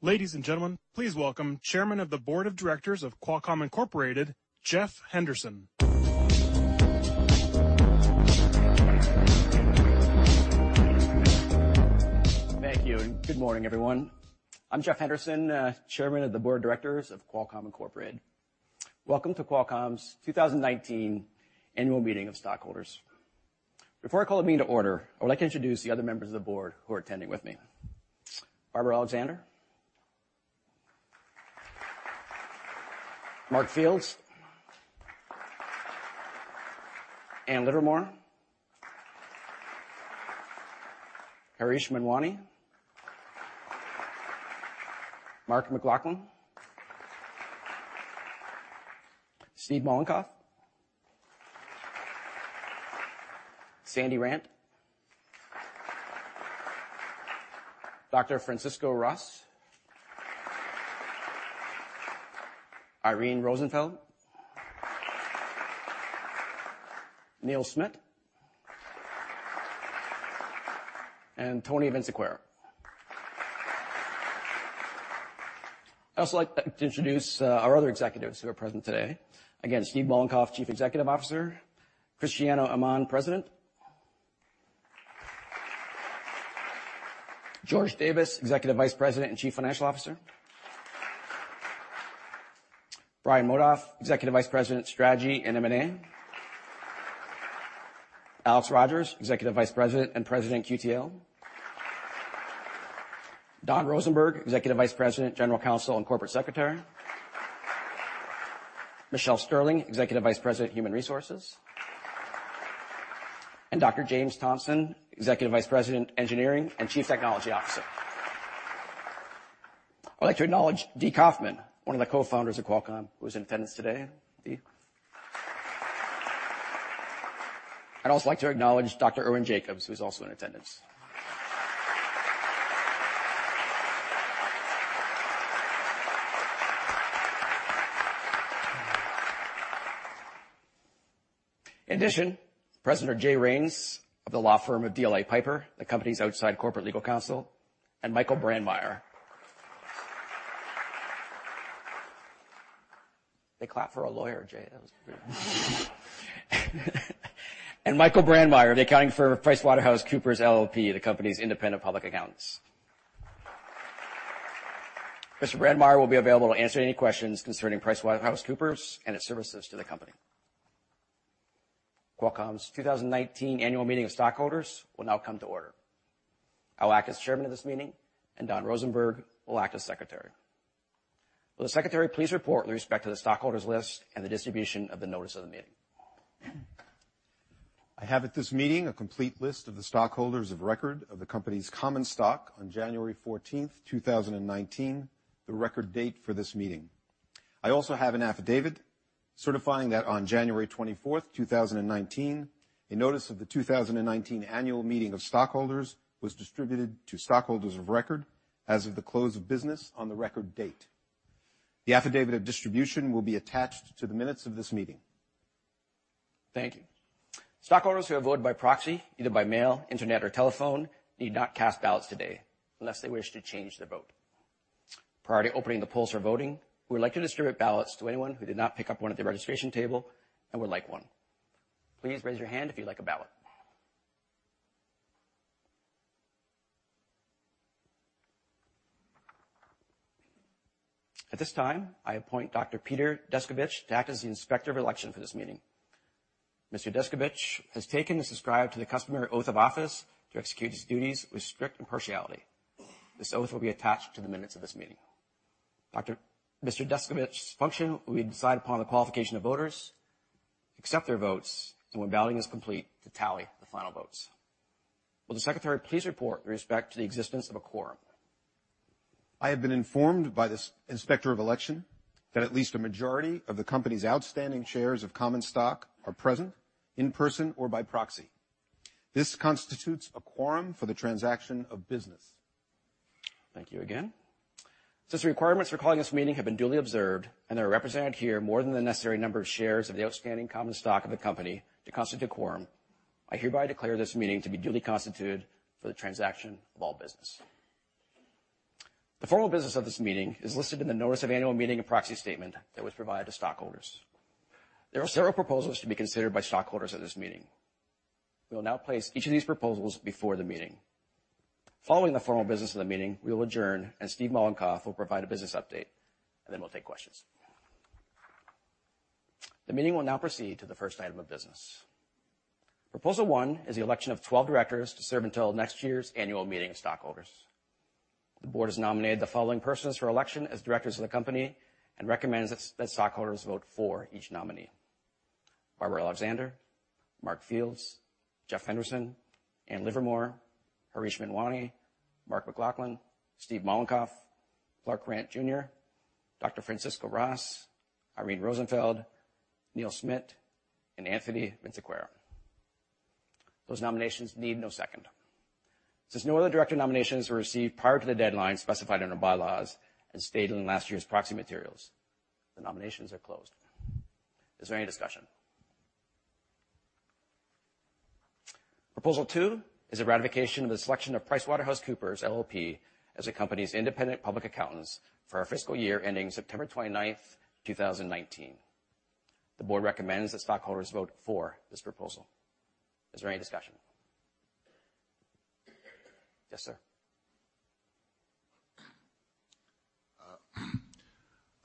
Ladies and gentlemen, please welcome Chairman of the Board of Directors of Qualcomm Incorporated, Jeff Henderson. Thank you. Good morning, everyone. I'm Jeff Henderson, Chairman of the Board of Directors of Qualcomm Incorporated. Welcome to Qualcomm's 2019 Annual Meeting of Stockholders. Before I call the meeting to order, I would like to introduce the other members of the Board who are attending with me. Barbara Alexander. Mark Fields. Ann Livermore. Harish Manwani. Mark McLaughlin. Steve Mollenkopf. Sandy Randt. Dr. Francisco Ros. Irene Rosenfeld. Neil Smit. Tony Vinciquerra. I'd also like to introduce our other executives who are present today. Again, Steve Mollenkopf, Chief Executive Officer. Cristiano Amon, President. George Davis, Executive Vice President and Chief Financial Officer. Brian Modoff, Executive Vice President, Strategy and M&A. Alex Rogers, Executive Vice President and President, QTL. Don Rosenberg, Executive Vice President, General Counsel, and Corporate Secretary. Michelle Sterling, Executive Vice President, Human Resources. Dr. James Thompson, Executive Vice President, Engineering, and Chief Technology Officer. I'd like to acknowledge Dee Coffman, one of the co-founders of Qualcomm, who is in attendance today. Dee. I'd also like to acknowledge Dr. Irwin Jacobs, who's also in attendance. In addition, President Jay Rains of the law firm of DLA Piper, the company's outside corporate legal counsel, Michael Brandmeyer. They clapped for a lawyer, Jay. That was weird. Michael Brandmeyer, the accounting firm PricewaterhouseCoopers LLP, the company's independent public accountants. Mr. Brandmeyer will be available to answer any questions concerning PricewaterhouseCoopers and its services to the company. Qualcomm's 2019 Annual Meeting of Stockholders will now come to order. I'll act as chairman of this meeting, Don Rosenberg will act as secretary. Will the secretary please report with respect to the stockholders list and the distribution of the notice of the meeting? I have at this meeting a complete list of the stockholders of record of the company's common stock on January 14th, 2019, the record date for this meeting. I also have an affidavit certifying that on January 24th, 2019, a notice of the 2019 Annual Meeting of Stockholders was distributed to stockholders of record as of the close of business on the record date. The affidavit of distribution will be attached to the minutes of this meeting. Thank you. Stockholders who have voted by proxy, either by mail, internet, or telephone, need not cast ballots today unless they wish to change their vote. Prior to opening the polls for voting, we would like to distribute ballots to anyone who did not pick up one at the registration table and would like one. Please raise your hand if you'd like a ballot. At this time, I appoint Dr. Peter Descovich to act as the Inspector of Election for this meeting. Mr. Descovich has taken and subscribed to the customary oath of office to execute his duties with strict impartiality. This oath will be attached to the minutes of this meeting. Mr. Descovich's function will be to decide upon the qualification of voters, accept their votes, and when balloting is complete, to tally the final votes. Will the secretary please report with respect to the existence of a quorum? I have been informed by this Inspector of Election that at least a majority of the company's outstanding shares of common stock are present in person or by proxy. This constitutes a quorum for the transaction of business. Thank you again. Since the requirements for calling this meeting have been duly observed, and there are represented here more than the necessary number of shares of the outstanding common stock of the company to constitute a quorum, I hereby declare this meeting to be duly constituted for the transaction of all business. The formal business of this meeting is listed in the notice of annual meeting and proxy statement that was provided to stockholders. There are several proposals to be considered by stockholders at this meeting. We will now place each of these proposals before the meeting. Following the formal business of the meeting, we will adjourn. Steve Mollenkopf will provide a business update. Then we'll take questions. The meeting will now proceed to the first item of business. Proposal one is the election of 12 directors to serve until next year's annual meeting of stockholders. The board has nominated the following persons for election as directors of the company and recommends that stockholders vote for each nominee. Barbara Alexander, Mark Fields, Jeff Henderson, Ann Livermore, Harish Manwani, Mark McLaughlin, Steve Mollenkopf, Clark T. Randt, Jr., Dr. Francisco Ros, Irene Rosenfeld, Neil Smit, and Tony Vinciquerra. Those nominations need no second. Since no other director nominations were received prior to the deadline specified in our bylaws and stated in last year's proxy materials, the nominations are closed. Is there any discussion? Proposal two is a ratification of the selection of PricewaterhouseCoopers LLP as the company's independent public accountants for our fiscal year ending September 29th, 2019. The board recommends that stockholders vote for this proposal. Is there any discussion? Yes, sir.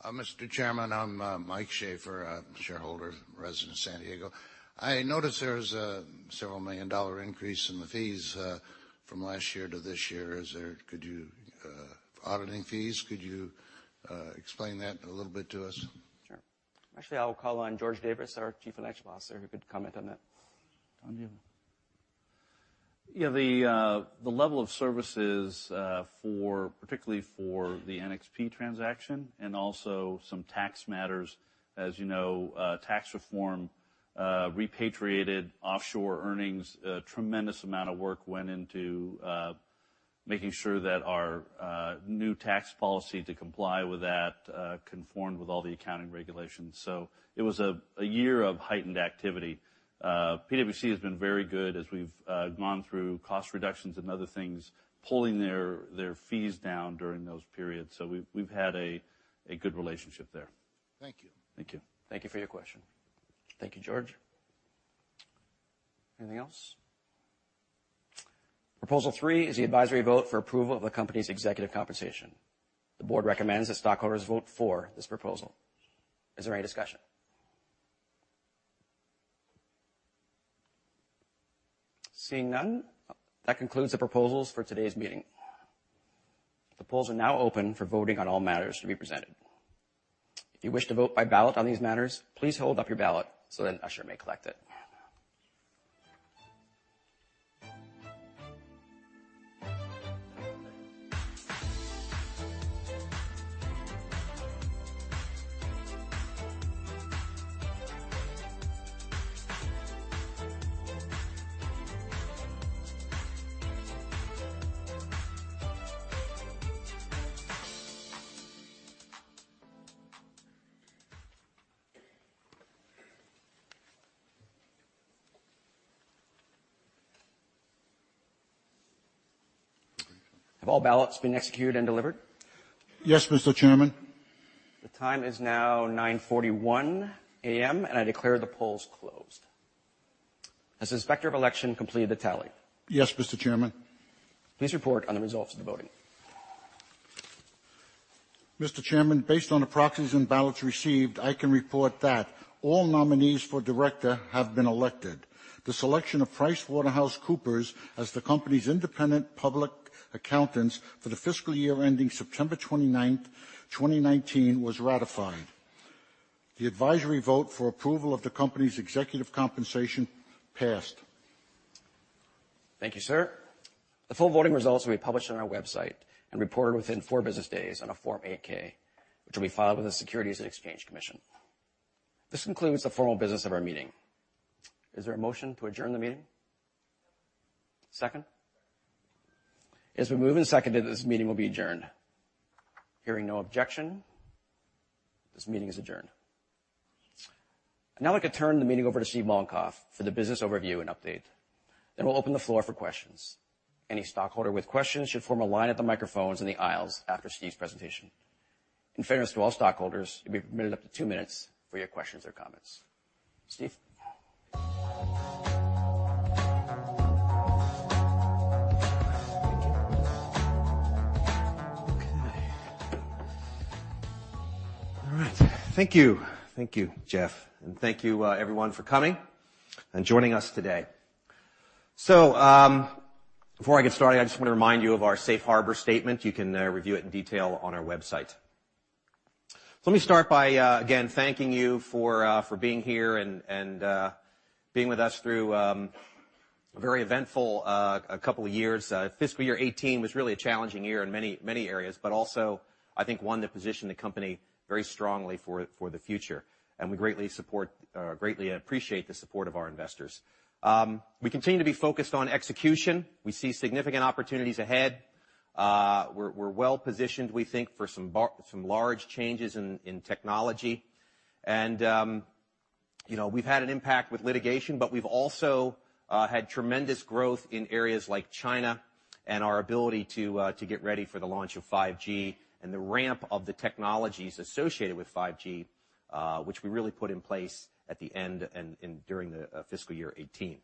Mr. Chairman, I'm Mike Schaefer, a shareholder, resident of San Diego. I noticed there was a several million dollar increase in the fees from last year to this year. Auditing fees. Could you explain that a little bit to us? Sure. Actually, I will call on George Davis, our Chief Financial Officer, who could comment on that. Yeah. The level of services, particularly for the NXP transaction and also some tax matters. As you know, tax reform repatriated offshore earnings. A tremendous amount of work went into making sure that our new tax policy to comply with that conformed with all the accounting regulations. It was a year of heightened activity. PwC has been very good as we've gone through cost reductions and other things, pulling their fees down during those periods. We've had a good relationship there. Thank you. Thank you. Thank you for your question. Thank you, George. Anything else? Proposal three is the advisory vote for approval of the company's executive compensation. The board recommends that stockholders vote for this proposal. Is there any discussion? Seeing none, that concludes the proposals for today's meeting. The polls are now open for voting on all matters to be presented. If you wish to vote by ballot on these matters, please hold up your ballot so an usher may collect it. Have all ballots been executed and delivered? Yes, Mr. Chairman. The time is now 9:41 A.M. and I declare the polls closed. Has the Inspector of Election completed the tally? Yes, Mr. Chairman. Please report on the results of the voting. Mr. Chairman, based on the proxies and ballots received, I can report that all nominees for director have been elected. The selection of PricewaterhouseCoopers as the company's independent public accountants for the fiscal year ending September 29th, 2019 was ratified. The advisory vote for approval of the company's executive compensation passed. Thank you, sir. The full voting results will be published on our website and reported within four business days on a Form 8-K, which will be filed with the Securities and Exchange Commission. This concludes the formal business of our meeting. Is there a motion to adjourn the meeting? Second? It has been moved and seconded that this meeting will be adjourned. Hearing no objection, this meeting is adjourned. Now I could turn the meeting over to Steve Mollenkopf for the business overview and update. We'll open the floor for questions. Any stockholder with questions should form a line at the microphones in the aisles after Steve's presentation. In fairness to all stockholders, you'll be limited up to two minutes for your questions or comments. Steve? Thank you. Okay. All right. Thank you. Thank you, Jeff, and thank you everyone for coming and joining us today. Before I get started, I just want to remind you of our safe harbor statement. You can review it in detail on our website. Let me start by, again, thanking you for being here and being with us through a very eventful couple years. Fiscal year 2018 was really a challenging year in many areas, but also, I think one that positioned the company very strongly for the future. We greatly appreciate the support of our investors. We continue to be focused on execution. We see significant opportunities ahead. We're well positioned, we think, for some large changes in technology. We've had an impact with litigation, but we've also had tremendous growth in areas like China and our ability to get ready for the launch of 5G and the ramp of the technologies associated with 5G, which we really put in place at the end and during the fiscal year 2018.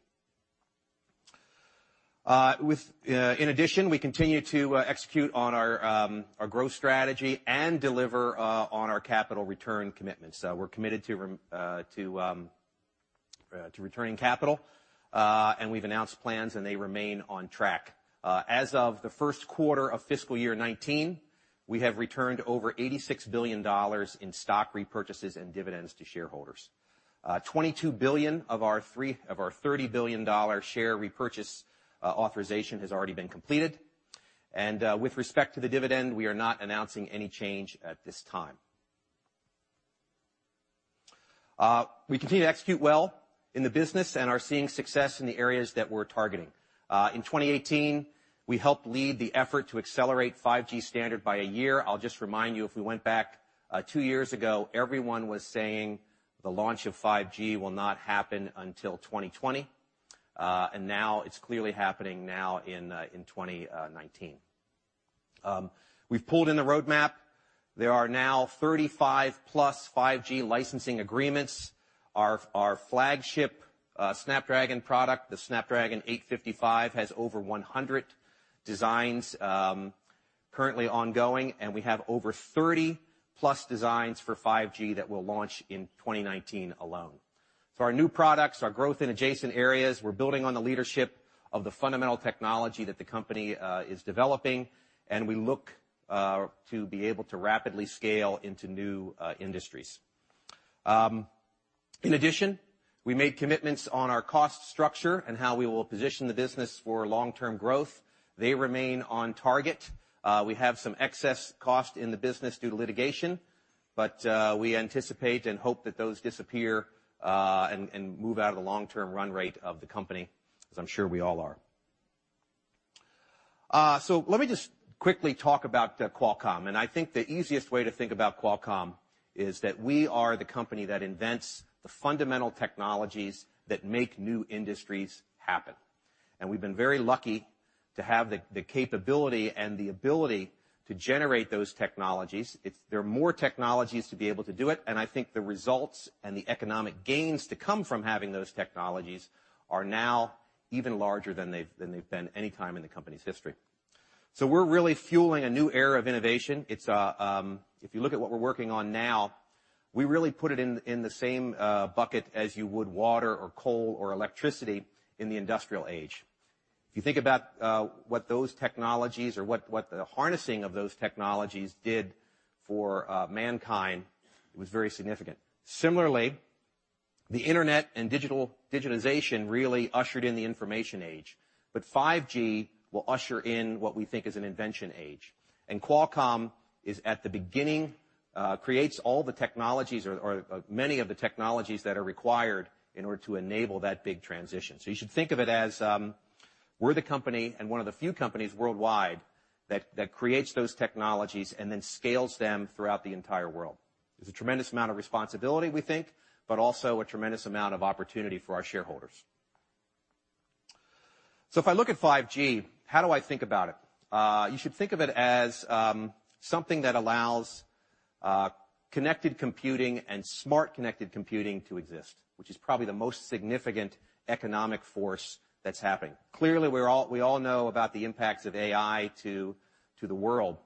In addition, we continue to execute on our growth strategy and deliver on our capital return commitments. We're committed to returning capital. We've announced plans, and they remain on track. As of the first quarter of fiscal year 2019, we have returned over $86 billion in stock repurchases and dividends to shareholders. $22 billion of our $30 billion share repurchase authorization has already been completed. With respect to the dividend, we are not announcing any change at this time. We continue to execute well in the business and are seeing success in the areas that we're targeting. In 2018, we helped lead the effort to accelerate 5G standard by a year. I'll just remind you, if we went back two years ago, everyone was saying the launch of 5G will not happen until 2020. Now it's clearly happening now in 2019. We've pulled in the roadmap. There are now 35 plus 5G licensing agreements. Our flagship Snapdragon product, the Snapdragon 855, has over 100 designs currently ongoing, and we have over 30 plus designs for 5G that we'll launch in 2019 alone. Our new products, our growth in adjacent areas, we're building on the leadership of the fundamental technology that the company is developing, and we look to be able to rapidly scale into new industries. In addition, we made commitments on our cost structure and how we will position the business for long-term growth. They remain on target. We have some excess cost in the business due to litigation, but we anticipate and hope that those disappear and move out of the long-term run rate of the company as I'm sure we all are. Let me just quickly talk about Qualcomm. I think the easiest way to think about Qualcomm is that we are the company that invents the fundamental technologies that make new industries happen. We've been very lucky to have the capability and the ability to generate those technologies. There are more technologies to be able to do it. I think the results and the economic gains to come from having those technologies are now even larger than they've been any time in the company's history. We're really fueling a new era of innovation. If you look at what we're working on now, we really put it in the same bucket as you would water or coal or electricity in the industrial age. If you think about what those technologies or what the harnessing of those technologies did for mankind, it was very significant. Similarly, the internet and digitalization really ushered in the information age. 5G will usher in what we think is an invention age. Qualcomm is at the beginning, creates all the technologies or many of the technologies that are required in order to enable that big transition. You should think of it as we're the company and one of the few companies worldwide that creates those technologies and then scales them throughout the entire world. It's a tremendous amount of responsibility, we think, but also a tremendous amount of opportunity for our shareholders. If I look at 5G, how do I think about it? You should think of it as something that allows connected computing and smart connected computing to exist, which is probably the most significant economic force that's happening. Clearly, we all know about the impacts of AI to the world.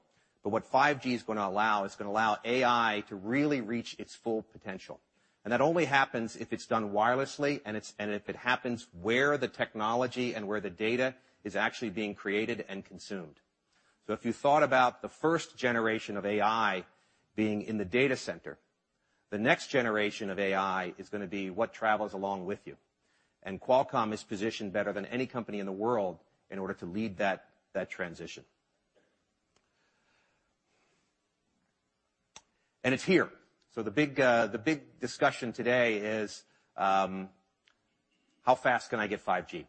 What 5G is going to allow is it's going to allow AI to really reach its full potential. That only happens if it's done wirelessly and if it happens where the technology and where the data is actually being created and consumed. If you thought about the first generation of AI being in the data center, the next generation of AI is going to be what travels along with you. Qualcomm is positioned better than any company in the world in order to lead that transition. It's here. The big discussion today is how fast can I get 5G?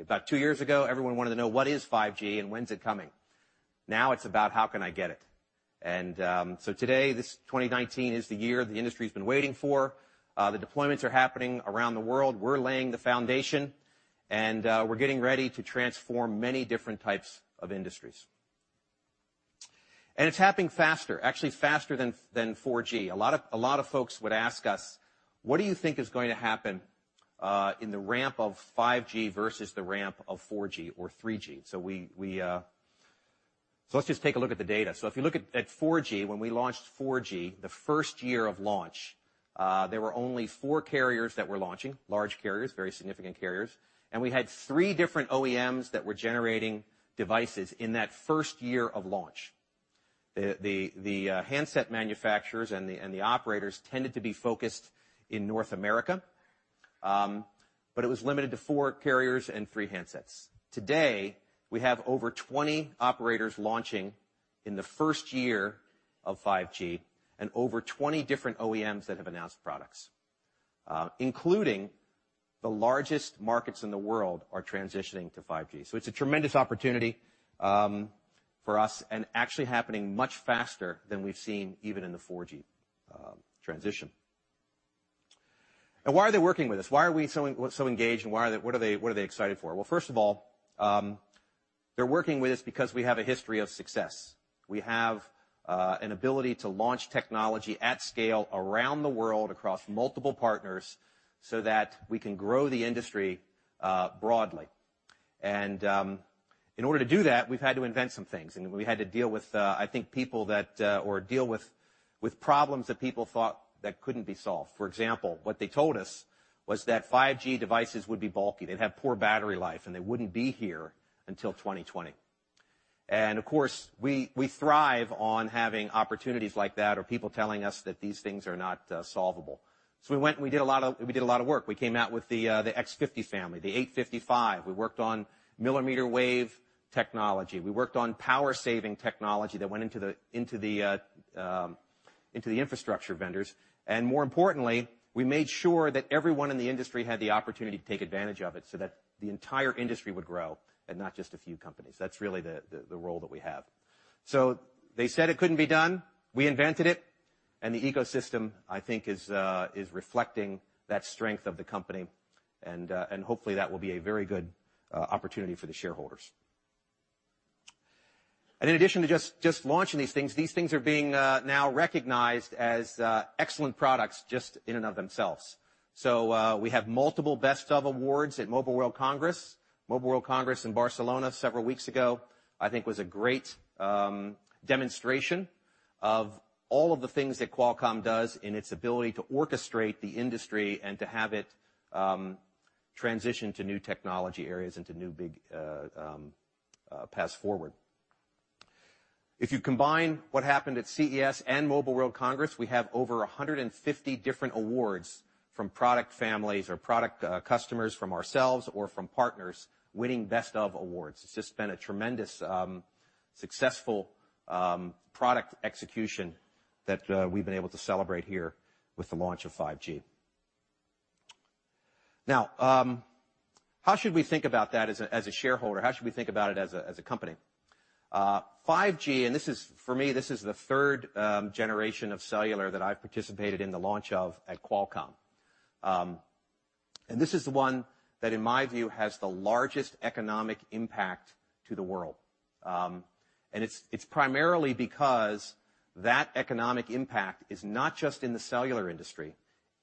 About 2 years ago, everyone wanted to know what is 5G and when's it coming? Now it's about how can I get it? Today, this 2019 is the year the industry's been waiting for. The deployments are happening around the world. We're laying the foundation. We're getting ready to transform many different types of industries. It's happening faster, actually faster than 4G. A lot of folks would ask us, what do you think is going to happen in the ramp of 5G versus the ramp of 4G or 3G? Let's just take a look at the data. If you look at 4G, when we launched 4G, the first year of launch, there were only 4 carriers that were launching, large carriers, very significant carriers, and we had 3 different OEMs that were generating devices in that first year of launch. The handset manufacturers and the operators tended to be focused in North America, but it was limited to 4 carriers and 3 handsets. Today, we have over 20 operators launching in the first year of 5G and over 20 different OEMs that have announced products including the largest markets in the world are transitioning to 5G. It's a tremendous opportunity for us and actually happening much faster than we've seen even in the 4G transition. Why are they working with us? Why are we so engaged, and what are they excited for? Well, first of all, they're working with us because we have a history of success. We have an ability to launch technology at scale around the world across multiple partners so that we can grow the industry broadly. In order to do that, we've had to invent some things, and we had to deal with problems that people thought that couldn't be solved. For example, what they told us was that 5G devices would be bulky, they'd have poor battery life, and they wouldn't be here until 2020. Of course, we thrive on having opportunities like that or people telling us that these things are not solvable. We went and we did a lot of work. We came out with the X50 family, the 855. We worked on millimeter wave technology. We worked on power-saving technology that went into the infrastructure vendors. More importantly, we made sure that everyone in the industry had the opportunity to take advantage of it so that the entire industry would grow and not just a few companies. That's really the role that we have. They said it couldn't be done. We invented it. The ecosystem, I think, is reflecting that strength of the company, and hopefully, that will be a very good opportunity for the shareholders. In addition to just launching these things, these things are being now recognized as excellent products just in and of themselves. We have multiple Best Of awards at Mobile World Congress. Mobile World Congress in Barcelona several weeks ago, I think was a great demonstration of all of the things that Qualcomm does in its ability to orchestrate the industry and to have it transition to new technology areas into new big paths forward. If you combine what happened at CES and Mobile World Congress, we have over 150 different awards from product families or product customers from ourselves or from partners winning Best Of awards. It's just been a tremendous successful product execution that we've been able to celebrate here with the launch of 5G. Now, how should we think about that as a shareholder? How should we think about it as a company? 5G, for me, this is the third generation of cellular that I've participated in the launch of at Qualcomm. This is the one that, in my view, has the largest economic impact to the world. It's primarily because that economic impact is not just in the cellular industry,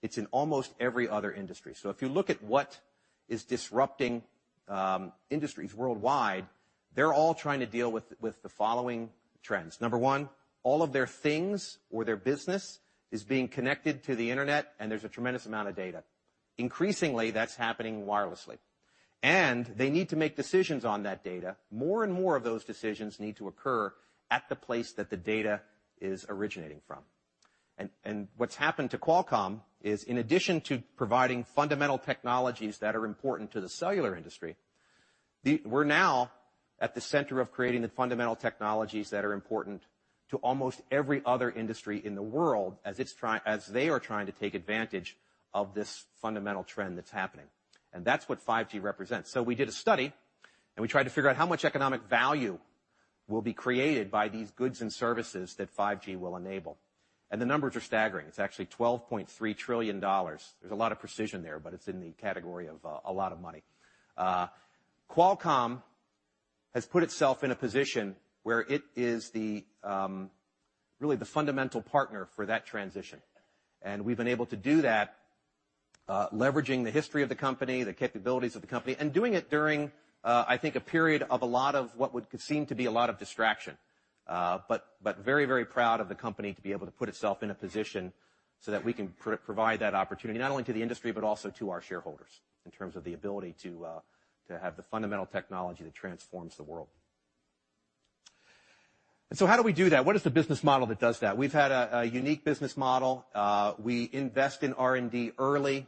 it's in almost every other industry. If you look at what is disrupting industries worldwide, they're all trying to deal with the following trends. Number one, all of their things or their business is being connected to the internet, and there's a tremendous amount of data. Increasingly, that's happening wirelessly. They need to make decisions on that data. More and more of those decisions need to occur at the place that the data is originating from. What's happened to Qualcomm is, in addition to providing fundamental technologies that are important to the cellular industry, we're now at the center of creating the fundamental technologies that are important to almost every other industry in the world as they are trying to take advantage of this fundamental trend that's happening. That's what 5G represents. We did a study, we tried to figure out how much economic value will be created by these goods and services that 5G will enable. The numbers are staggering. It's actually $12.3 trillion. There's a lot of precision there, but it's in the category of a lot of money. Qualcomm has put itself in a position where it is really the fundamental partner for that transition, we've been able to do that leveraging the history of the company, the capabilities of the company, and doing it during, I think, a period of a lot of what would seem to be a lot of distraction. But very proud of the company to be able to put itself in a position so that we can provide that opportunity not only to the industry but also to our shareholders in terms of the ability to have the fundamental technology that transforms the world. How do we do that? What is the business model that does that? We've had a unique business model. We invest in R&D early.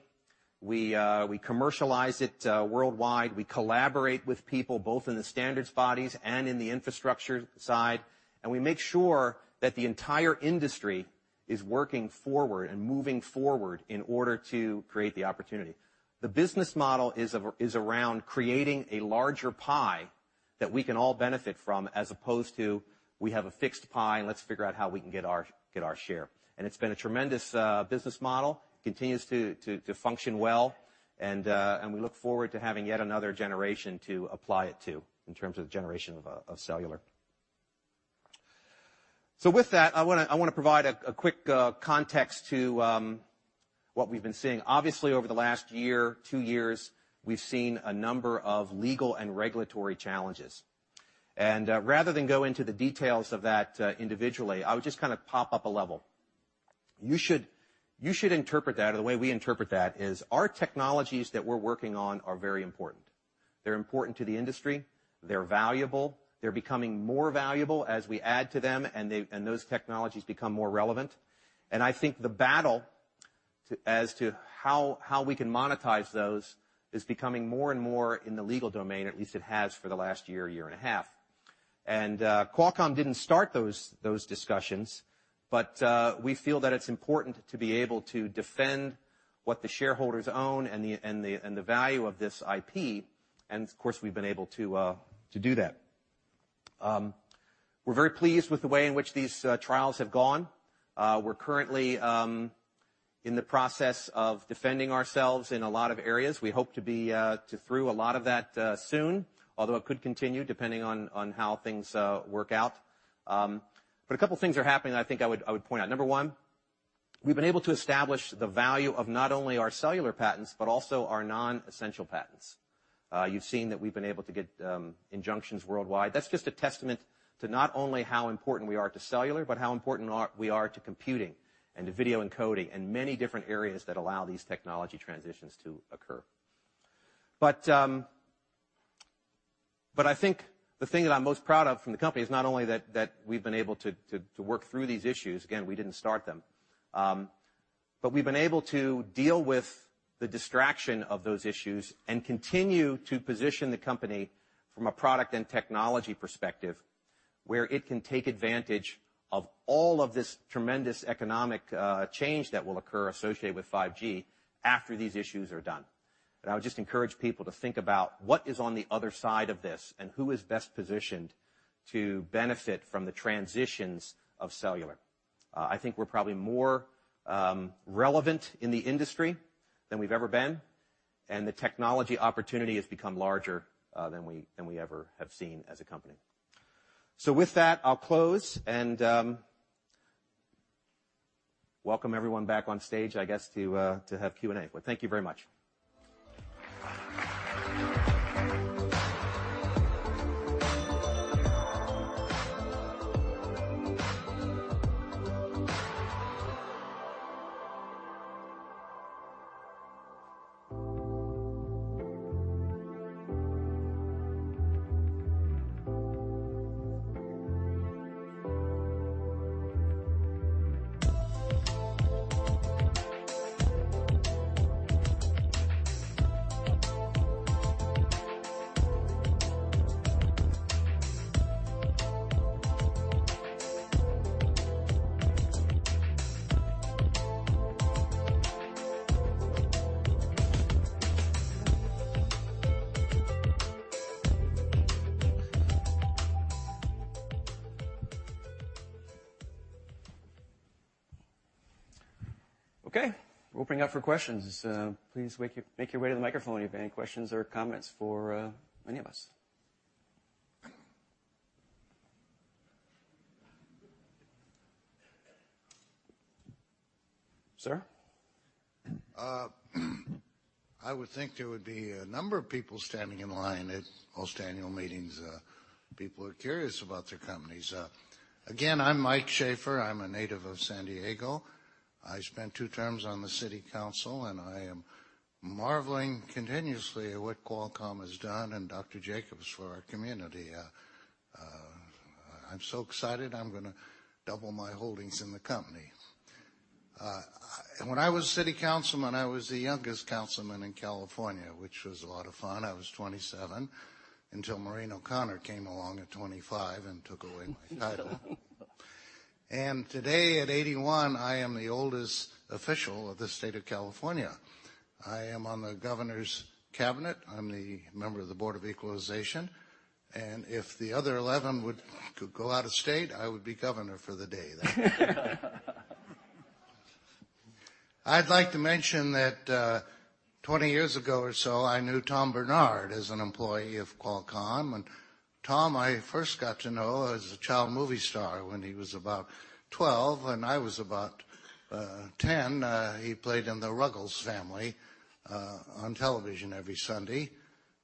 We commercialize it worldwide. We collaborate with people both in the standards bodies and in the infrastructure side, we make sure that the entire industry is working forward and moving forward in order to create the opportunity. The business model is around creating a larger pie that we can all benefit from, as opposed to we have a fixed pie, let's figure out how we can get our share. It's been a tremendous business model, continues to function well, we look forward to having yet another generation to apply it to in terms of the generation of cellular. With that, I want to provide a quick context to what we've been seeing. Obviously, over the last one year, two years, we've seen a number of legal and regulatory challenges. Rather than go into the details of that individually, I would just kind of pop up a level. You should interpret that, or the way we interpret that is our technologies that we're working on are very important. They're important to the industry. They're valuable. They're becoming more valuable as we add to them and those technologies become more relevant. I think the battle as to how we can monetize those is becoming more and more in the legal domain, at least it has for the last year and a half. Qualcomm didn't start those discussions, but we feel that it's important to be able to defend what the shareholders own and the value of this IP. Of course, we've been able to do that. We're very pleased with the way in which these trials have gone. We're currently in the process of defending ourselves in a lot of areas. We hope to be through a lot of that soon. Although it could continue depending on how things work out. A couple things are happening that I think I would point out. Number 1, we've been able to establish the value of not only our cellular patents but also our non-essential patents. You've seen that we've been able to get injunctions worldwide. That's just a testament to not only how important we are to cellular but how important we are to computing and to video encoding and many different areas that allow these technology transitions to occur. I think the thing that I'm most proud of from the company is not only that we've been able to work through these issues, again, we didn't start them, but we've been able to deal with the distraction of those issues and continue to position the company from a product and technology perspective where it can take advantage of all of this tremendous economic change that will occur associated with 5G after these issues are done. I would just encourage people to think about what is on the other side of this and who is best positioned to benefit from the transitions of cellular. I think we're probably more relevant in the industry than we've ever been, and the technology opportunity has become larger than we ever have seen as a company. With that, I'll close and welcome everyone back on stage, I guess, to have Q&A. Thank you very much. Okay, we'll open it up for questions. Please make your way to the microphone if you have any questions or comments for any of us. Sir? I would think there would be a number of people standing in line at most annual meetings. People are curious about their companies. Again, I'm Mike Schaefer. I'm a native of San Diego. I spent two terms on the city council, and I am marveling continuously at what Qualcomm has done, and Dr. Jacobs, for our community. I'm so excited I'm going to double my holdings in the company. When I was city councilman, I was the youngest councilman in California, which was a lot of fun. I was 27 until Maureen O'Connor came along at 25 and took away my title. Today, at 81, I am the oldest official of the state of California. I am on the governor's cabinet. I'm the member of the Board of Equalization, and if the other 11 would go out of state, I would be governor for the day then. I'd like to mention that 20 years ago or so, I knew Tom Bernard as an employee of Qualcomm. Tom, I first got to know as a child movie star when he was about 12 and I was about 10. He played in "The Ruggles Family" on television every Sunday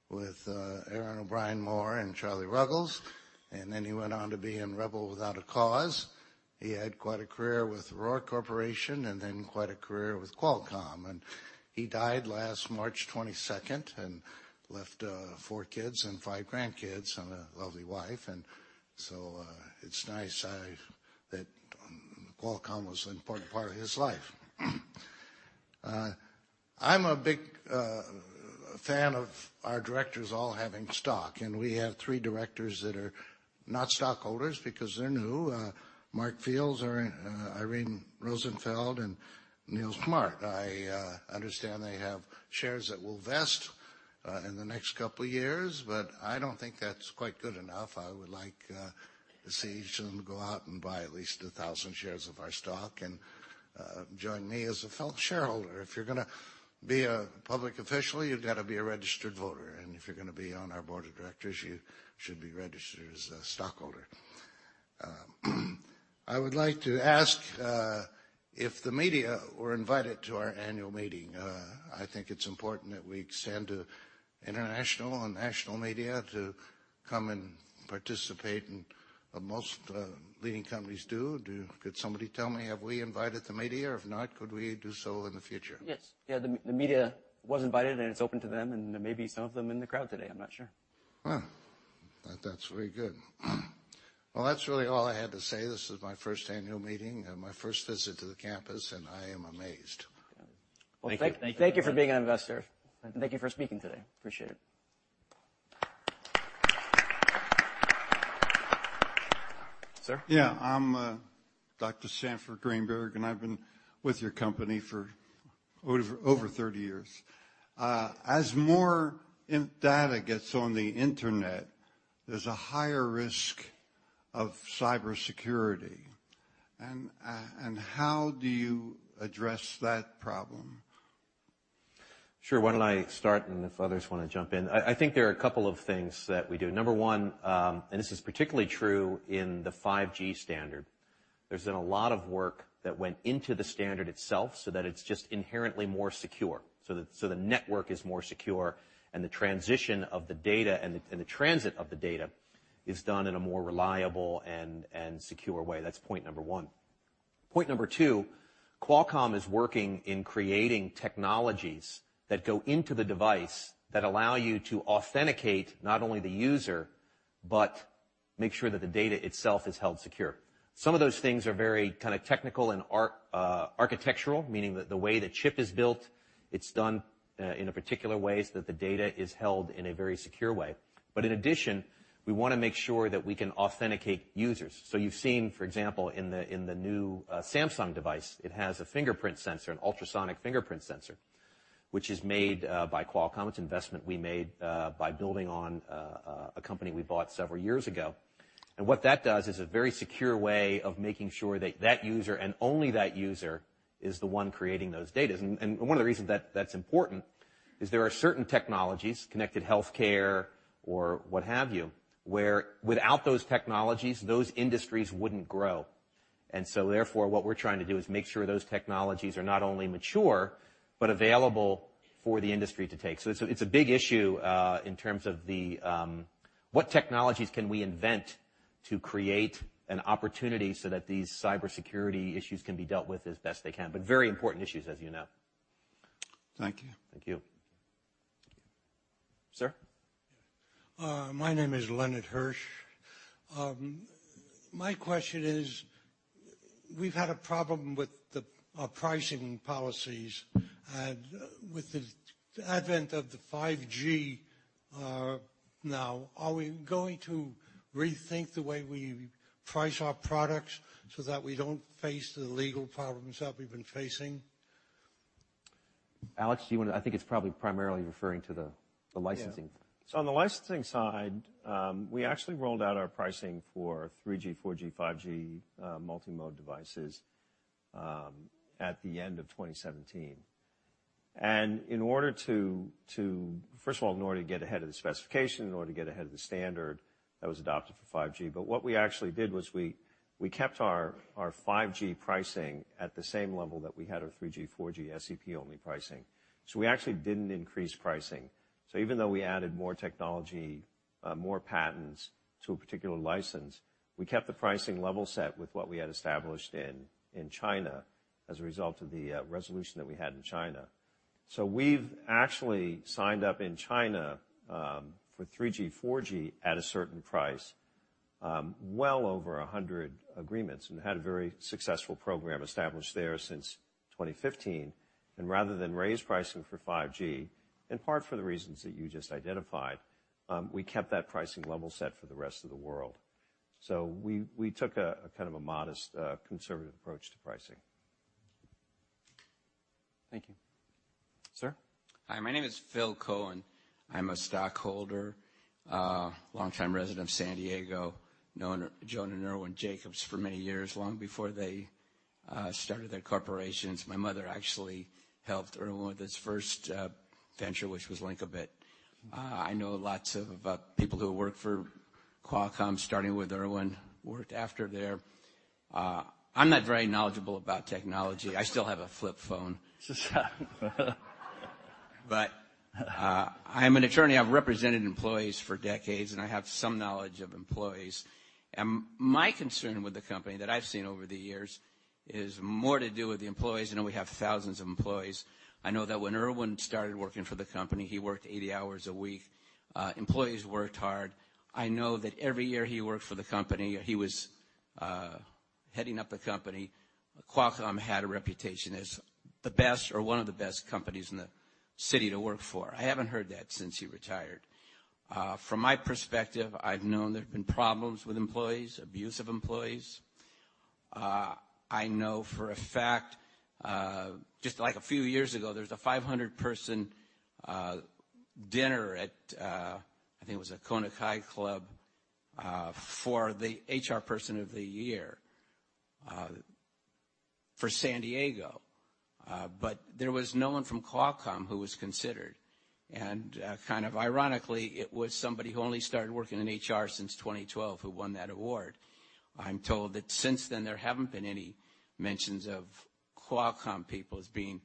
with Erin O'Brien-Moore and Charlie Ruggles, and then he went on to be in "Rebel Without a Cause." He had quite a career with Rohr Corporation and then quite a career with Qualcomm. He died last March 22nd and left four kids and five grandkids and a lovely wife. It's nice that Qualcomm was an important part of his life. I'm a big fan of our directors all having stock, and we have three directors that are not stockholders because they're new. Mark Fields, Irene Rosenfeld, and Neil Smit. I understand they have shares that will vest in the next couple of years, but I don't think that's quite good enough. I would like to see each of them go out and buy at least 1,000 shares of our stock and join me as a fellow shareholder. If you're going to be a public official, you've got to be a registered voter, and if you're going to be on our board of directors, you should be registered as a stockholder. I would like to ask if the media were invited to our annual meeting. I think it's important that we extend to international and national media to come and participate, and most leading companies do. Could somebody tell me, have we invited the media? If not, could we do so in the future? Yes. Yeah. The media was invited, and it's open to them, and there may be some of them in the crowd today. I'm not sure. Wow. That's very good. Well, that's really all I had to say. This is my first annual meeting and my first visit to the campus, and I am amazed. Yeah. Thank you. Thank you for being an investor, and thank you for speaking today. Appreciate it. Sir? Yeah. I'm Dr. Sanford Greenberg, and I've been with your company for over 30 years. As more data gets on the internet, there's a higher risk of cybersecurity. How do you address that problem? Sure. Why don't I start and if others want to jump in. I think there are a couple of things that we do. Number one, this is particularly true in the 5G standard, there's been a lot of work that went into the standard itself so that it's just inherently more secure, so the network is more secure, and the transition of the data and the transit of the data is done in a more reliable and secure way. That's point number one. Point number two, Qualcomm is working in creating technologies that go into the device that allow you to authenticate not only the user but make sure that the data itself is held secure. Some of those things are very kind of technical and architectural, meaning that the way the chip is built, it's done in a particular way so that the data is held in a very secure way. In addition, we want to make sure that we can authenticate users. You've seen, for example, in the new Samsung device, it has a fingerprint sensor, an ultrasonic fingerprint sensor, which is made by Qualcomm. It's an investment we made by building on a company we bought several years ago. What that does is a very secure way of making sure that user and only that user is the one creating those datas. One of the reasons that's important is there are certain technologies, connected healthcare or what have you, where without those technologies, those industries wouldn't grow. What we're trying to do is make sure those technologies are not only mature, but available for the industry to take. It's a big issue in terms of what technologies can we invent to create an opportunity so that these cybersecurity issues can be dealt with as best they can. Very important issues, as you know. Thank you. Thank you. Sir? My name is Leonard Hirsch. My question is, we've had a problem with our pricing policies, with the advent of the 5G now, are we going to rethink the way we price our products so that we don't face the legal problems that we've been facing? Alex, do you want to? I think it's probably primarily referring to the licensing. Yeah. On the licensing side, we actually rolled out our pricing for 3G, 4G, 5G multi-mode devices at the end of 2017. First of all, in order to get ahead of the specification, in order to get ahead of the standard that was adopted for 5G. What we actually did was we kept our 5G pricing at the same level that we had our 3G, 4G SEP-only pricing. We actually didn't increase pricing. Even though we added more technology, more patents to a particular license, we kept the pricing level set with what we had established in China as a result of the resolution that we had in China. We've actually signed up in China for 3G, 4G at a certain price, well over 100 agreements, and had a very successful program established there since 2015. Rather than raise pricing for 5G, in part for the reasons that you just identified, we kept that pricing level set for the rest of the world. We took a kind of a modest, conservative approach to pricing. Thank you. Sir? Hi, my name is Phil Cohen. I'm a stockholder, longtime resident of San Diego, known Joan and Irwin Jacobs for many years, long before they started their corporations. My mother actually helped Irwin with his first venture, which was Linkabit. I know lots of people who have worked for Qualcomm, starting with Irwin, worked after there. I'm not very knowledgeable about technology. I still have a flip phone. I'm an attorney. I've represented employees for decades, and I have some knowledge of employees. My concern with the company that I've seen over the years is more to do with the employees. I know we have thousands of employees. I know that when Irwin started working for the company, he worked 80 hours a week. Employees worked hard. I know that every year he worked for the company, he was heading up a company. Qualcomm had a reputation as the best or one of the best companies in the city to work for. I haven't heard that since he retired. From my perspective, I've known there have been problems with employees, abuse of employees. I know for a fact just like a few years ago, there was a 500-person dinner at, I think it was at Kona Kai Club, for the HR person of the year for San Diego. There was no one from Qualcomm who was considered, and kind of ironically, it was somebody who only started working in HR since 2012 who won that award. I'm told that since then, there haven't been any mentions of Qualcomm people as being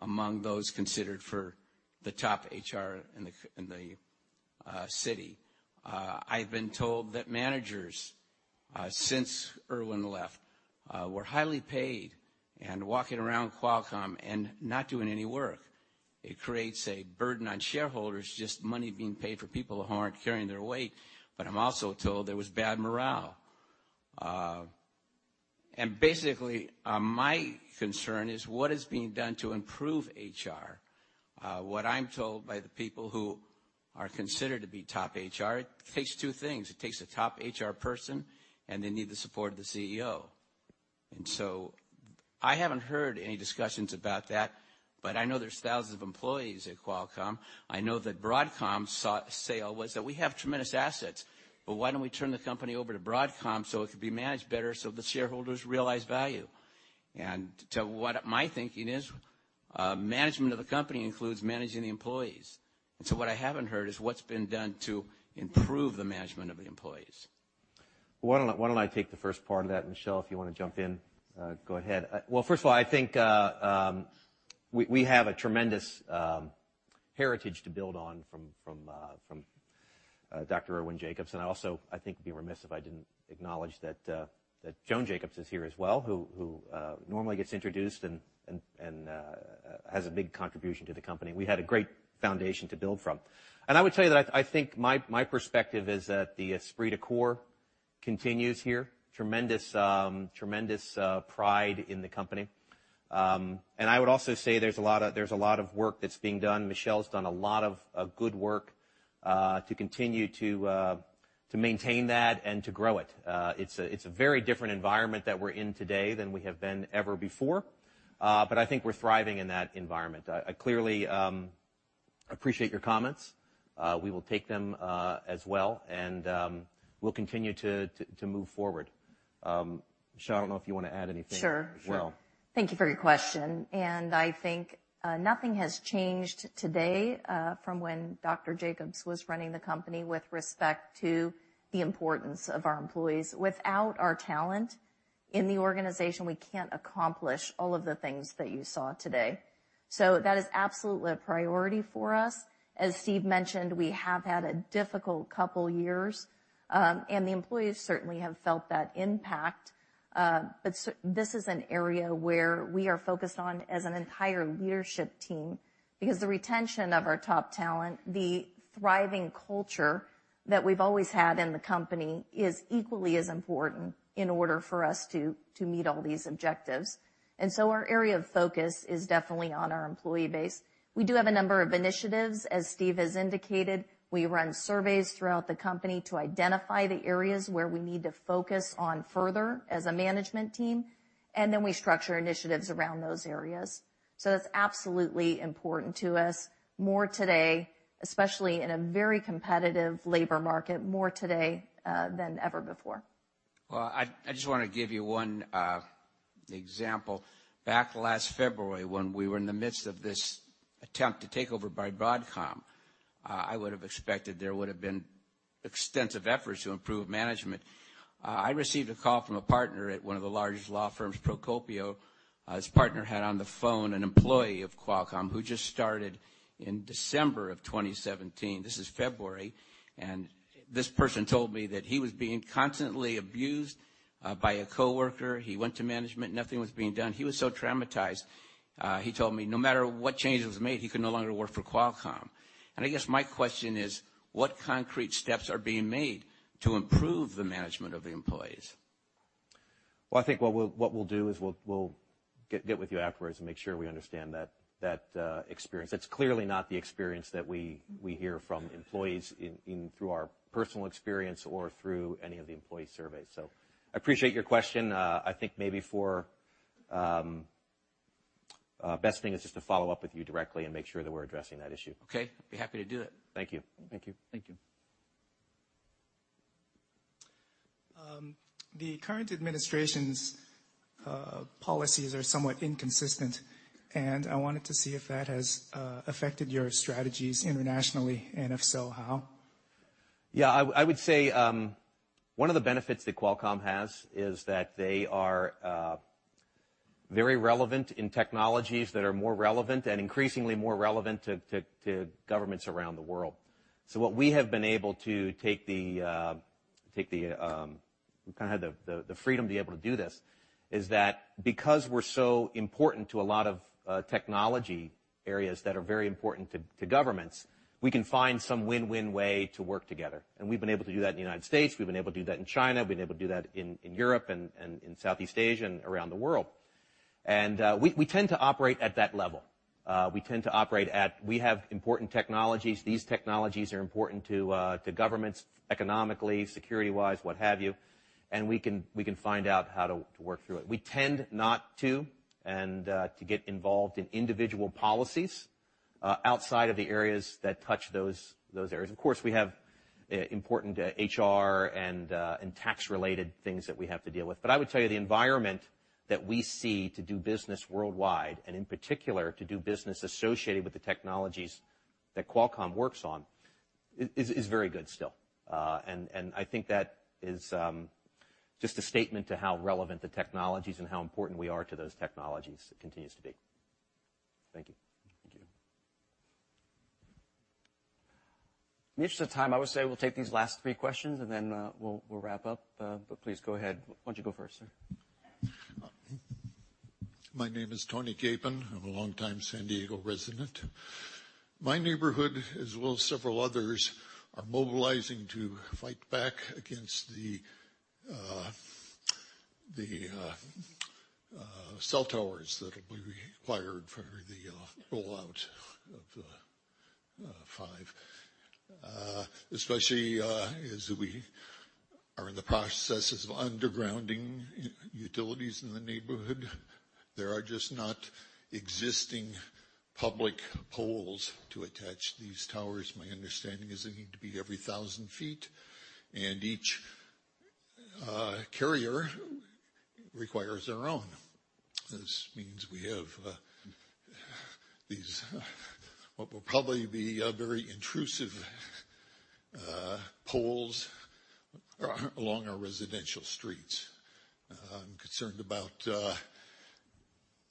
among those considered for the top HR in the city. I've been told that managers, since Irwin left, were highly paid and walking around Qualcomm and not doing any work. It creates a burden on shareholders, just money being paid for people who aren't carrying their weight. I'm also told there was bad morale. Basically, my concern is what is being done to improve HR. What I'm told by the people who are considered to be top HR, it takes two things. It takes a top HR person, and they need the support of the CEO. I haven't heard any discussions about that, but I know there's thousands of employees at Qualcomm. I know that Broadcom sought sale was that we have tremendous assets, but why don't we turn the company over to Broadcom so it could be managed better so the shareholders realize value? What my thinking is, management of the company includes managing the employees. What I haven't heard is what's been done to improve the management of the employees. Why don't I take the first part of that, Michelle, if you want to jump in, go ahead. Well, first of all, I think we have a tremendous heritage to build on from Dr. Irwin Jacobs. I also, I think, would be remiss if I didn't acknowledge that Joan Jacobs is here as well, who normally gets introduced and has a big contribution to the company. We had a great foundation to build from. I would tell you that I think my perspective is that the esprit de corps continues here. Tremendous pride in the company. I would also say there's a lot of work that's being done. Michelle's done a lot of good work to continue to maintain that and to grow it. It's a very different environment that we're in today than we have been ever before. I think we're thriving in that environment. I clearly appreciate your comments. We will take them as well, and we'll continue to move forward. Michelle, I don't know if you want to add anything. Sure as well. Thank you for your question. I think nothing has changed today from when Dr. Jacobs was running the company with respect to the importance of our employees. Without our talent in the organization, we can't accomplish all of the things that you saw today. That is absolutely a priority for us. As Steve mentioned, we have had a difficult couple years, and the employees certainly have felt that impact. This is an area where we are focused on as an entire leadership team because the retention of our top talent, the thriving culture that we've always had in the company, is equally as important in order for us to meet all these objectives. Our area of focus is definitely on our employee base. We do have a number of initiatives, as Steve has indicated. We run surveys throughout the company to identify the areas where we need to focus on further as a management team, we structure initiatives around those areas. That's absolutely important to us more today, especially in a very competitive labor market, more today than ever before. Well, I just want to give you one example. Back last February, when we were in the midst of this attempt to take over by Broadcom, I would have expected there would have been extensive efforts to improve management. I received a call from a partner at one of the largest law firms, Procopio. His partner had on the phone an employee of Qualcomm who just started in December of 2017. This is February, this person told me that he was being constantly abused by a coworker. He went to management, nothing was being done. He was so traumatized, he told me no matter what change was made, he could no longer work for Qualcomm. I guess my question is, what concrete steps are being made to improve the management of the employees? Well, I think what we'll do is we'll get with you afterwards and make sure we understand that experience. That's clearly not the experience that we hear from employees through our personal experience or through any of the employee surveys. I appreciate your question. I think best thing is just to follow up with you directly and make sure that we're addressing that issue. Okay. I'd be happy to do it. Thank you. Thank you. Thank you. The current administration's policies are somewhat inconsistent, and I wanted to see if that has affected your strategies internationally, and if so, how? Yeah, I would say one of the benefits that Qualcomm has is that they are very relevant in technologies that are more relevant and increasingly more relevant to governments around the world. What we have been able to take the, kind of the freedom to be able to do this, is that because we're so important to a lot of technology areas that are very important to governments, we can find some win-win way to work together. We've been able to do that in the U.S., we've been able to do that in China, we've been able to do that in Europe and in Southeast Asia and around the world. We tend to operate at that level. We tend to operate at, we have important technologies. These technologies are important to governments, economically, security-wise, what have you, and we can find out how to work through it. We tend not to, and to get involved in individual policies outside of the areas that touch those areas. Of course, we have important HR and tax-related things that we have to deal with. I would tell you the environment that we see to do business worldwide, and in particular to do business associated with the technologies that Qualcomm works on, is very good still. I think that is just a statement to how relevant the technologies and how important we are to those technologies continues to be. Thank you. Thank you. In the interest of time, I would say we'll take these last three questions. Then we'll wrap up. Please go ahead. Why don't you go first, sir? My name is Tony Capen. I'm a longtime San Diego resident. My neighborhood, as well as several others, are mobilizing to fight back against the cell towers that will be required for the rollout of 5G. Especially as we are in the processes of undergrounding utilities in the neighborhood. There are just not existing public poles to attach these towers. My understanding is they need to be every 1,000 feet. Each carrier requires their own. This means we have these, what will probably be very intrusive poles along our residential streets. I'm concerned about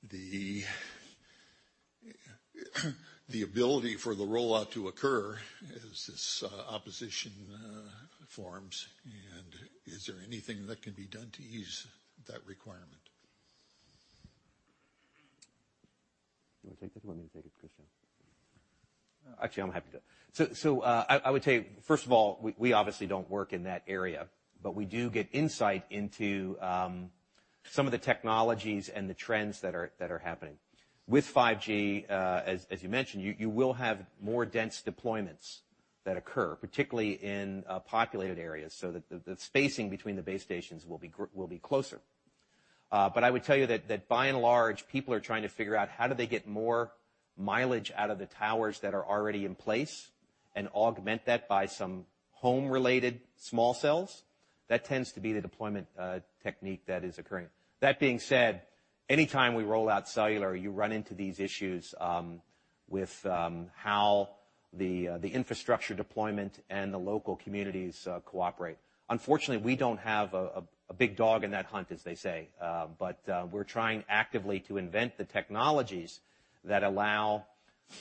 the ability for the rollout to occur as this opposition forms. Is there anything that can be done to ease that requirement? Do you want to take this or you want me to take it, Cristiano? Actually, I'm happy to. I would say, first of all, we obviously don't work in that area. We do get insight into- Some of the technologies and the trends that are happening. With 5G, as you mentioned, you will have more dense deployments that occur, particularly in populated areas, so that the spacing between the base stations will be closer. I would tell you that by and large, people are trying to figure out how do they get more mileage out of the towers that are already in place and augment that by some home-related small cells. That tends to be the deployment technique that is occurring. That being said, anytime we roll out cellular, you run into these issues with how the infrastructure deployment and the local communities cooperate. Unfortunately, we don't have a big dog in that hunt, as they say, but we're trying actively to invent the technologies that allow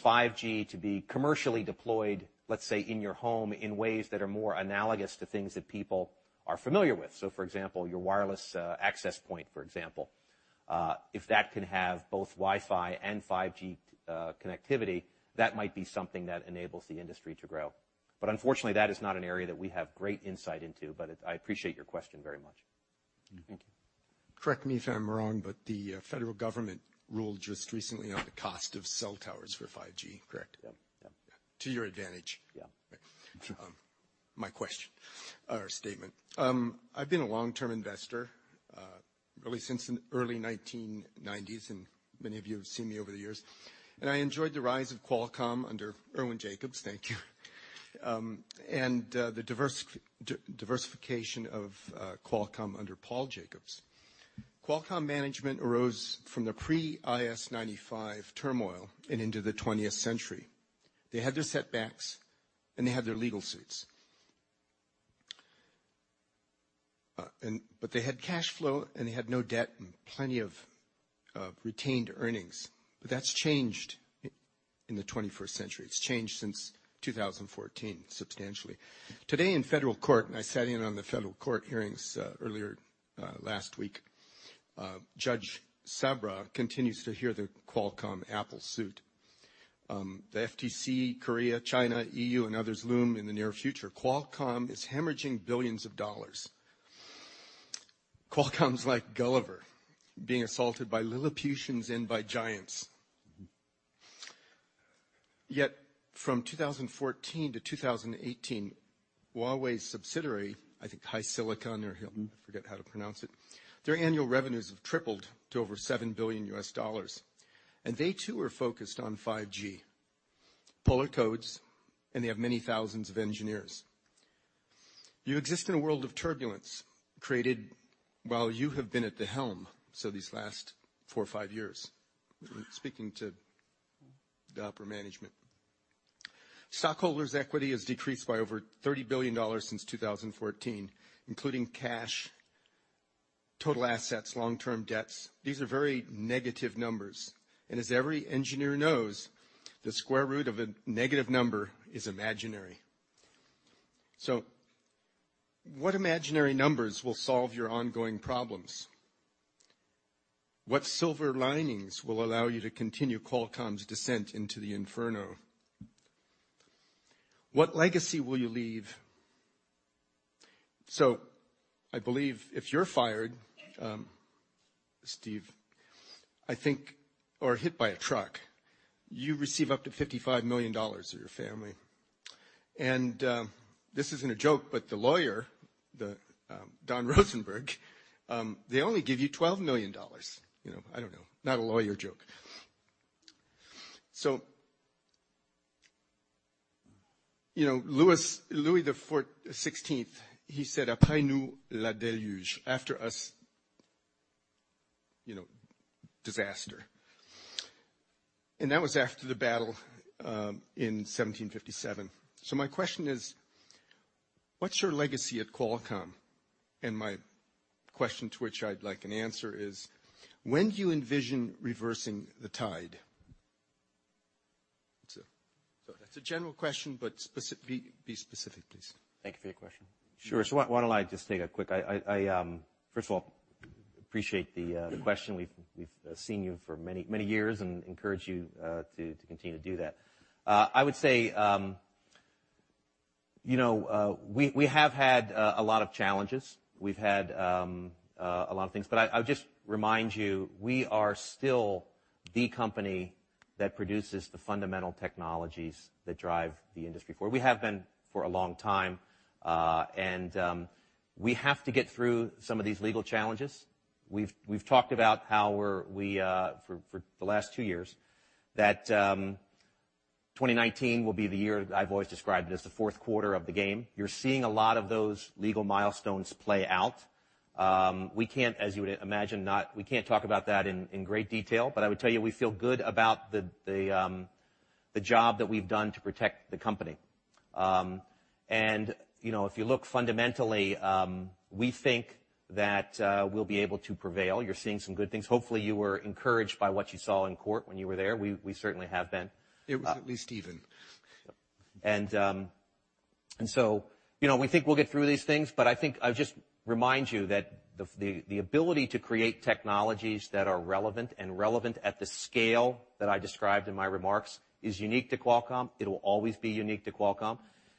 5G to be commercially deployed, let's say, in your home in ways that are more analogous to things that people are familiar with. For example, your wireless access point, for example. If that can have both Wi-Fi and 5G connectivity, that might be something that enables the industry to grow. Unfortunately, that is not an area that we have great insight into, but I appreciate your question very much. Thank you. Correct me if I'm wrong, but the federal government ruled just recently on the cost of cell towers for 5G. Correct. Yep. To your advantage. Yeah. My question or statement. I've been a long-term investor, really since the early 1990s, and many of you have seen me over the years. I enjoyed the rise of Qualcomm under Irwin Jacobs, thank you. The diversification of Qualcomm under Paul Jacobs. Qualcomm management arose from the pre-IS-95 turmoil and into the 20th century. They had their setbacks, and they had their legal suits. They had cash flow, and they had no debt and plenty of retained earnings. That's changed in the 21st century. It's changed since 2014, substantially. Today in federal court, and I sat in on the federal court hearings earlier last week, Judge Sabraw continues to hear the Qualcomm-Apple suit. The FTC, Korea, China, EU, and others loom in the near future. Qualcomm is hemorrhaging billions of dollars. Qualcomm's like Gulliver being assaulted by Lilliputians and by giants. Yet from 2014 to 2018, Huawei's subsidiary, I think HiSilicon, I forget how to pronounce it, their annual revenues have tripled to over $7 billion, and they too are focused on 5G. Polar codes, and they have many thousands of engineers. You exist in a world of turbulence created while you have been at the helm, so these last four or five years, speaking to the upper management. Stockholders' equity has decreased by over $30 billion since 2014, including cash, total assets, long-term debts. These are very negative numbers, and as every engineer knows, the square root of a negative number is imaginary. What imaginary numbers will solve your ongoing problems? What silver linings will allow you to continue Qualcomm's descent into the inferno? What legacy will you leave? I believe if you're fired, Steve, I think, or hit by a truck, you receive up to $55 million for your family. This isn't a joke, but the lawyer, Don Rosenberg, they only give you $12 million. I don't know, not a lawyer joke. Louis XVI, he said, "Après nous, le déluge," after us, disaster. That was after the battle in 1757. My question is, what's your legacy at Qualcomm? My question to which I'd like an answer is, when do you envision reversing the tide? That's a general question, but be specific, please. Thank you for your question. Sure. First of all, appreciate the question. We've seen you for many years and encourage you to continue to do that. I would say, we have had a lot of challenges. We've had a lot of things, but I would just remind you, we are still the company that produces the fundamental technologies that drive the industry forward. We have been for a long time, and we have to get through some of these legal challenges. We've talked about for the last two years, that 2019 will be the year I've always described it as the fourth quarter of the game. You're seeing a lot of those legal milestones play out. As you would imagine, we can't talk about that in great detail, but I would tell you we feel good about the job that we've done to protect the company. If you look fundamentally, we think that we'll be able to prevail. You're seeing some good things. Hopefully, you were encouraged by what you saw in court when you were there. We certainly have been. It was at least even. Yep. We think we'll get through these things, but I think I'll just remind you that the ability to create technologies that are relevant and relevant at the scale that I described in my remarks is unique to Qualcomm. It'll always be unique to Qualcomm,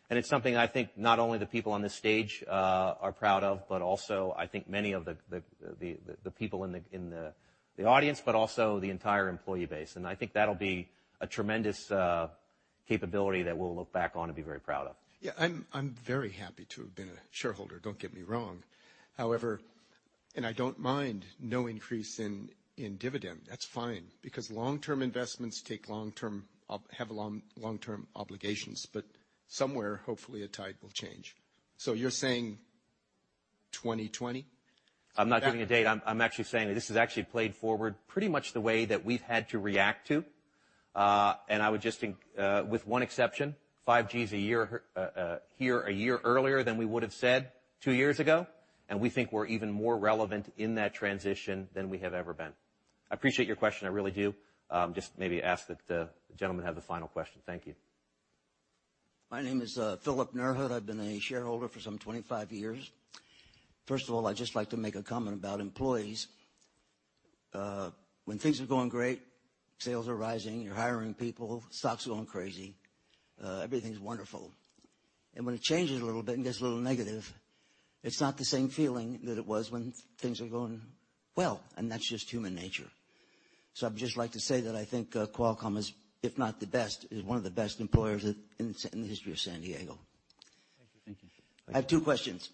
and it's something I think not only the people on this stage are proud of, but also I think many of the people in the audience, but also the entire employee base. I think that'll be a tremendous capability that we'll look back on and be very proud of. Yeah, I'm very happy to have been a shareholder, don't get me wrong. However, and I don't mind no increase in dividend, that's fine, because long-term investments have long-term obligations. Somewhere, hopefully, a tide will change. You're saying 2020? I'm not giving a date. I'm actually saying that this is actually played forward pretty much the way that we've had to react to. With one exception, 5G's here a year earlier than we would have said two years ago, and we think we're even more relevant in that transition than we have ever been. I appreciate your question, I really do. Just maybe ask that the gentleman have the final question. Thank you. My name is Philip Nerhood. I've been a shareholder for some 25 years. First of all, I'd just like to make a comment about employees. When things are going great, sales are rising, you're hiring people, stock's going crazy, everything's wonderful. When it changes a little bit and gets a little negative, it's not the same feeling that it was when things are going well, and that's just human nature. I'd just like to say that I think Qualcomm is, if not the best, is one of the best employers in the history of San Diego. Thank you. I have two questions.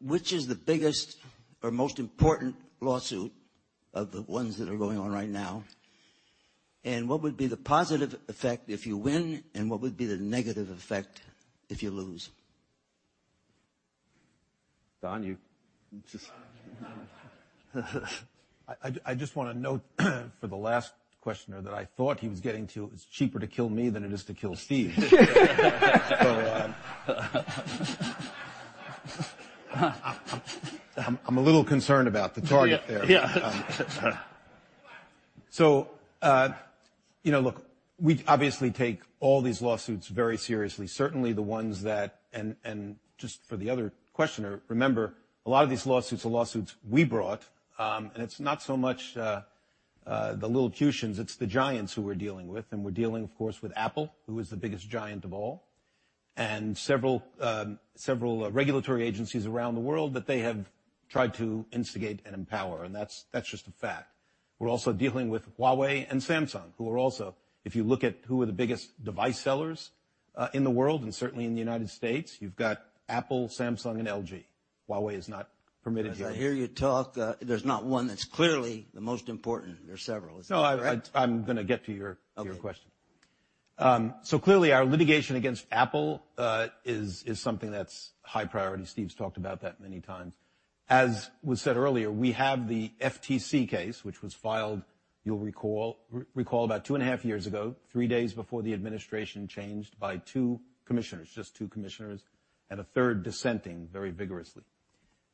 Which is the biggest or most important lawsuit of the ones that are going on right now? What would be the positive effect if you win, and what would be the negative effect if you lose? Don, you just- I just want to note for the last questioner that I thought he was getting to it's cheaper to kill me than it is to kill Steve. I'm a little concerned about the target there. Yeah. Look, we obviously take all these lawsuits very seriously. Certainly the ones that, just for the other questioner, remember, a lot of these lawsuits are lawsuits we brought. It's not so much the little cushions, it's the giants who we're dealing with, and we're dealing of course, with Apple, who is the biggest giant of all. Several regulatory agencies around the world that they have tried to instigate and empower, and that's just a fact. We're also dealing with Huawei and Samsung, who are also, if you look at who are the biggest device sellers, in the world, and certainly in the United States, you've got Apple, Samsung, and LG. Huawei is not permitted here. As I hear you talk, there's not one that's clearly the most important. There's several, is that correct? No, I'm going to get to your question. Okay. Clearly, our litigation against Apple is something that's high priority. Steve's talked about that many times. As was said earlier, we have the FTC case, which was filed, you'll recall, about two and a half years ago, three days before the administration changed by two commissioners, just two commissioners, and a third dissenting very vigorously.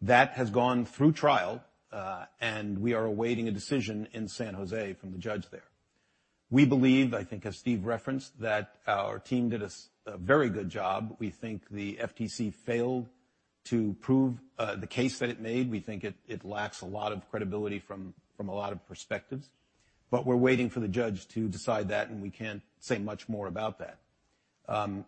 That has gone through trial, and we are awaiting a decision in San Jose from the judge there. We believe, I think as Steve referenced, that our team did a very good job. We think the FTC failed to prove the case that it made. We think it lacks a lot of credibility from a lot of perspectives. We're waiting for the judge to decide that, and we can't say much more about that.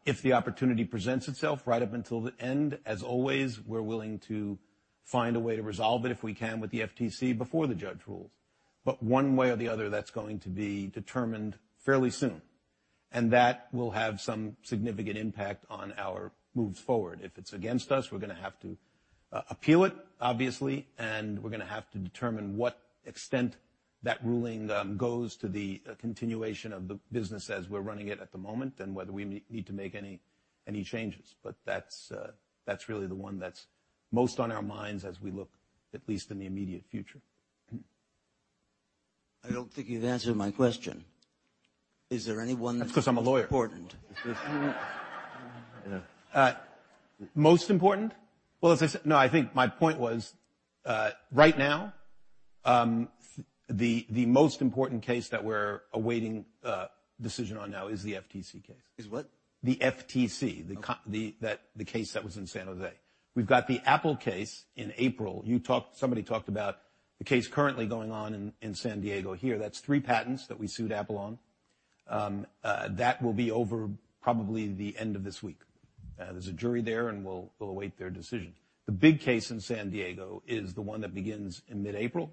If the opportunity presents itself right up until the end, as always, we're willing to find a way to resolve it if we can with the FTC before the judge rules. One way or the other, that's going to be determined fairly soon. That will have some significant impact on our moves forward. If it's against us, we're going to have to appeal it, obviously, and we're going to have to determine what extent that ruling goes to the continuation of the business as we're running it at the moment, and whether we need to make any changes. That's really the one that's most on our minds as we look at least in the immediate future. I don't think you've answered my question. Is there any one that's- That's because I'm a lawyer important? Most important? Well, as I said, no, I think my point was, right now, the most important case that we're awaiting a decision on now is the FTC case. Is what? The FTC. Okay. The case that was in San Jose. We've got the Apple case in April. Somebody talked about the case currently going on in San Diego here. That's three patents that we sued Apple on. That will be over probably the end of this week. There's a jury there, and we'll await their decision. The big case in San Diego is the one that begins in mid-April.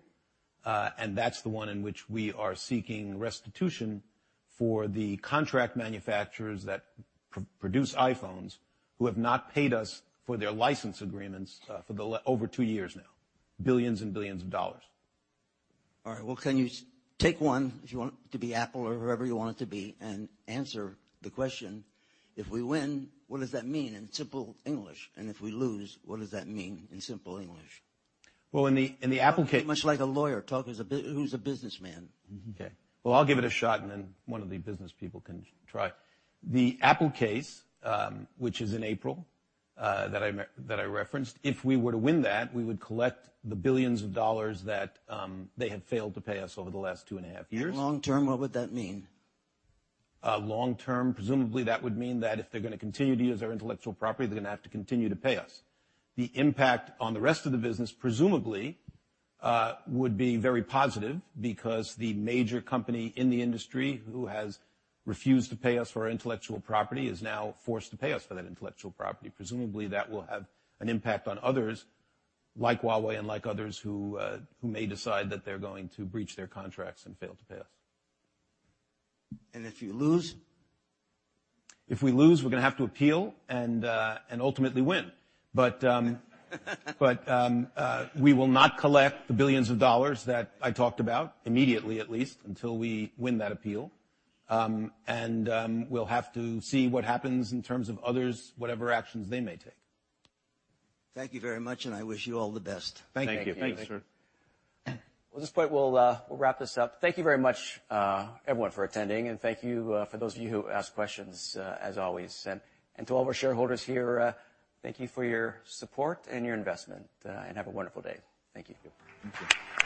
That's the one in which we are seeking restitution for the contract manufacturers that produce iPhones who have not paid us for their license agreements for over two years now. Billions and billions of dollars. Well, can you take one, if you want it to be Apple or whoever you want it to be, and answer the question: If we win, what does that mean in simple English? If we lose, what does that mean in simple English? Well, in the Apple case- Talk much like a lawyer. Talk who's a businessman. Okay. Well, I'll give it a shot, then one of the business people can try. The Apple case, which is in April, that I referenced, if we were to win that, we would collect the $billions that they have failed to pay us over the last two and a half years. Long term, what would that mean? Long term, presumably, that would mean that if they're going to continue to use our intellectual property, they're going to have to continue to pay us. The impact on the rest of the business presumably would be very positive because the major company in the industry who has refused to pay us for intellectual property is now forced to pay us for that intellectual property. Presumably, that will have an impact on others like Huawei and like others who may decide that they're going to breach their contracts and fail to pay us. If you lose? If we lose, we're going to have to appeal and ultimately win. We will not collect the billions of dollars that I talked about immediately, at least, until we win that appeal. We'll have to see what happens in terms of others, whatever actions they may take. Thank you very much, and I wish you all the best. Thank you. Thank you, sir. Well, at this point, we'll wrap this up. Thank you very much everyone for attending, and thank you for those of you who asked questions as always. To all of our shareholders here, thank you for your support and your investment. Have a wonderful day. Thank you.